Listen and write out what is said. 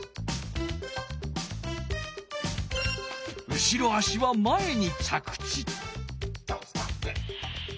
後ろ足は前に着地。